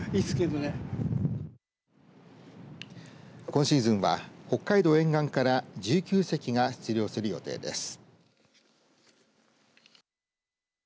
今シーズンは北海道沿岸から１９隻が出漁する予定です。